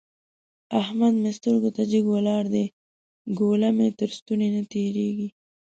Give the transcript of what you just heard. احمد مې سترګو ته جګ ولاړ دی؛ ګوله مې تر ستوني نه تېرېږي.